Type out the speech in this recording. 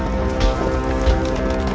lalu dia pergi untuk tidur